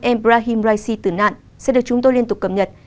embrahim raisi tử nạn sẽ được chúng tôi liên tục cập nhật